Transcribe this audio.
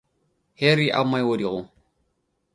ሃሪ ኣብ ማይ ወዲቑ።